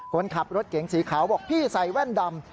คนขับรถเก๋งสีขาวบอกพี่ใส่แว่นดำ